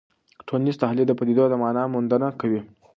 ټولنیز تحلیل د پدیدو د مانا موندنه کوي.